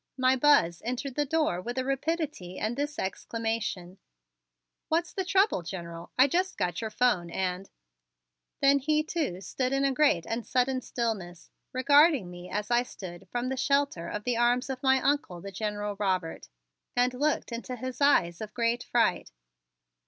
My Buzz entered the door with a rapidity and this exclamation: "What's the trouble, General? I just got your phone and " Then he too stood in a great and sudden stillness, regarding me as I stood from the shelter of the arms of my Uncle, the General Robert, and looked into his eyes of great fright.